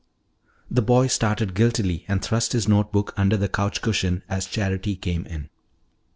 The boy started guiltily and thrust his note book under the couch cushion as Charity came in.